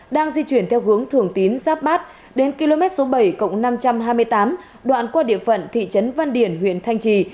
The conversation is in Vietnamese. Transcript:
đang di chuyển theo hướng thường tín giáp bát đến km số bảy cộng năm trăm hai mươi tám đoạn qua địa phận thị trấn văn điển huyện thanh trì